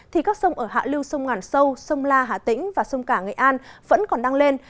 thì các sông ở hạ lưu sông ngàn sâu sông la hà tĩnh và sông cả nghệ an vẫn còn đang lên